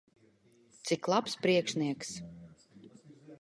Cik labs priekšnieks!